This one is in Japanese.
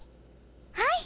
はい。